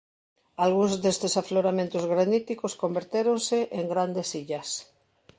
Algúns destes afloramentos graníticos convertéronse en grandes illas.